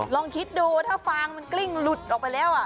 ลองคิดดูถ้าฟางมันกลิ้งหลุดออกไปแล้ว